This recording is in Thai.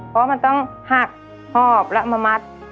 เพราะมันต้องหักหอบแล้วมามัด